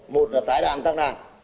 một là tái đàn tăng đàn